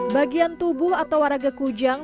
bagian tubuh atau warga kujang